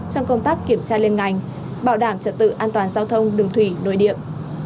trong công tác kiểm tra lên ngành bảo đảm trật tự an toàn giao thông đường thủy nội điện